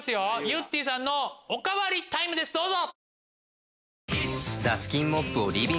ゆってぃさんのおかわりタイムですどうぞ。